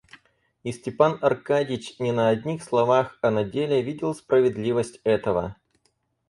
И Степан Аркадьич не на одних словах, а на деле видел справедливость этого.